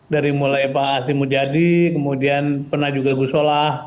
dari mulai pak asyik mujadi kemudian pernah juga gus salah